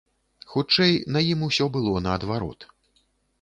Хутчэй, на ім усё было наадварот.